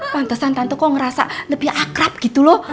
pantesan tante kok ngerasa lebih akrab gitu loh